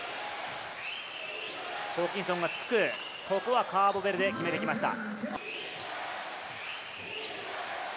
ホーキンソンがつく、ここはカーボベルデ、決めてきました。